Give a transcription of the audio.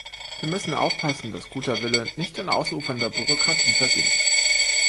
Wir müssen aufpassen, dass guter Wille nicht in ausufernder Bürokratie versinkt.